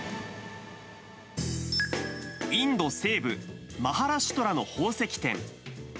インド西部、マハラシュトラの宝石店。